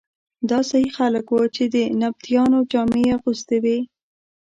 دا ځايي خلک وو چې د نبطیانو جامې یې اغوستې وې.